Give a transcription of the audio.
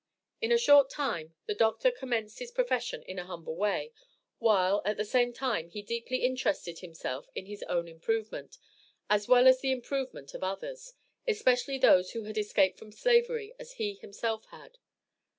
In a short time the Dr. commenced his profession in an humble way, while, at the same time, he deeply interested himself in his own improvement, as well as the improvement of others, especially those who had escaped from Slavery as he himself had.